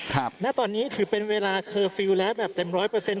ณตอนนี้ถือเป็นเวลาเคอร์ฟิลล์แล้วแบบเต็มร้อยเปอร์เซ็น